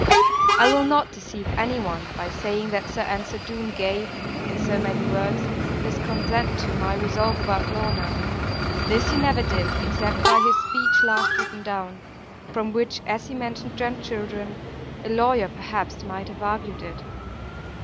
I will not deceive any one, by saying that Sir Ensor Doone gave (in so many words) his consent to my resolve about Lorna. This he never did, except by his speech last written down; from which as he mentioned grandchildren, a lawyer perhaps might have argued it.